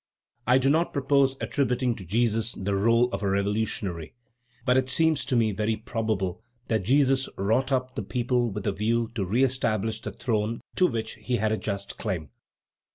I do not purpose attributing to Jesus the rôle of a revolutionary, but it seems to me very probable that Jesus wrought up the people with a view to reestablish the throne to which he had a just claim.